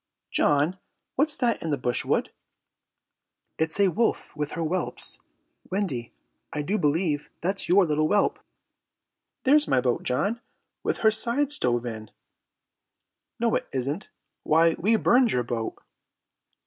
"John, what's that in the brushwood?" "It's a wolf with her whelps. Wendy, I do believe that's your little whelp!" "There's my boat, John, with her sides stove in!" "No, it isn't. Why, we burned your boat."